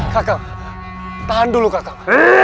kakak tahan dulu kakak